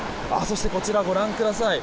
そして、こちらご覧ください。